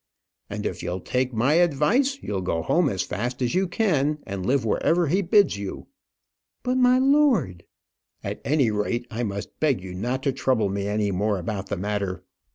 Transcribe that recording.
"And if you'll take my advice, you'll go home as fast as you can, and live wherever he bids you." "But, my lord " "At any rate, I must beg you not to trouble me any more about the matter.